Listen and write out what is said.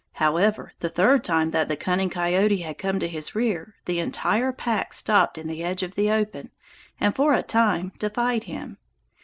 However, the third time that the cunning coyote had come to his rear, the entire pack stopped in the edge of the open and, for a time, defied him.